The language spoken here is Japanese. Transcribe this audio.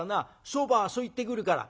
そばそいってくるから。